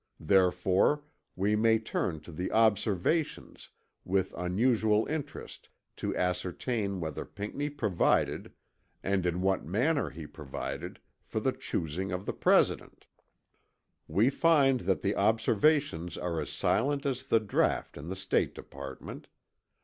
Therefore we may turn to the Observations with unusual interest to ascertain whether Pinckney provided, and in what manner he provided, for the choosing of the President. We find that the Observations are as silent as the draught in the State Department.